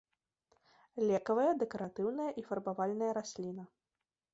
Лекавая, дэкаратыўная і фарбавальная расліна.